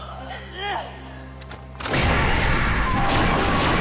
うっ！